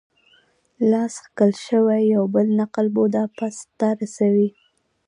لاس کښل شوی یو بل نقل بوداپست ته رسوي.